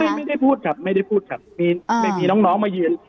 ไม่ได้พูดครับไม่ได้พูดครับมีน้องมายืน